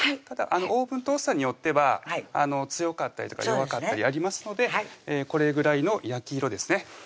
ただオーブントースターによっては強かったりとか弱かったりありますのでこれぐらいの焼き色ですね